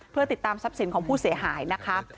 เพื่อติดตามทรัพย์สินของผู้เสียหายนะคะ